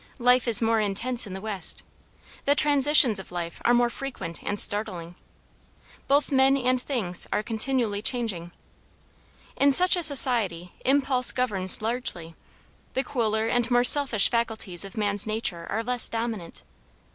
Life is more intense in the West. The transitions of life are more frequent and startling. Both men and things are continually changing. In such a society impulse governs largely: the cooler and more selfish faculties of man's nature are less dominant.